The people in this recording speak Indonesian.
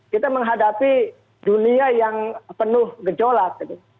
kita menghadapi dunia yang penuh gejolak